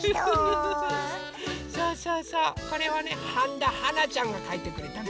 そうそうそうこれはねはんだはなちゃんがかいてくれたの。